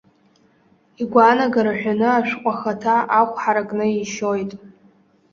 Игәаанагара ҳәаны, ашәҟәы ахаҭа ахә ҳаракны ишьоит.